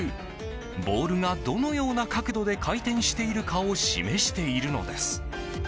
ボールがどのような角度で回転しているかを示しているのです。